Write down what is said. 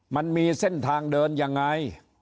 มันมีเส้นทางเดินยังไง